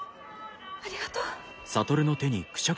ありがとう。